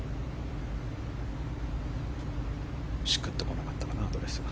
しっくりこなかったかなアドレスが。